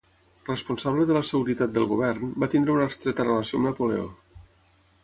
Responsable de la seguretat del govern, va tenir una estreta relació amb Napoleó.